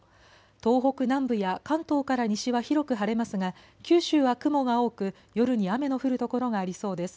東北南部や関東から西は広く晴れますが九州は雲が多く夜に雨の降る所がありそうです。